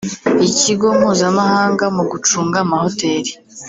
Ikigo mpuzamahanga mu gucunga amahoteli